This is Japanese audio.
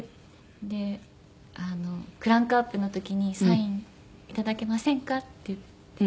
でクランクアップの時に「サイン頂けませんか？」って言って。